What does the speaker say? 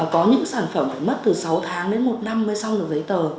có những sản phẩm phải mất từ sáu tháng đến một năm mới xong được giấy tờ